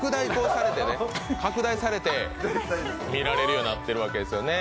拡大されて見られるようになっているわけですよね。